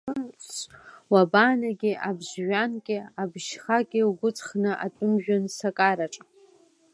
Уабаанагеи, абжь-жәҩанки, абжь-шьхаки угәыҵхны, атәым жәҩан сакараҿы?